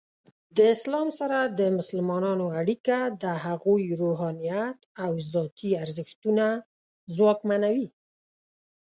د اسلام سره د مسلمانانو اړیکه د هغوی روحانیت او ذاتی ارزښتونه ځواکمنوي.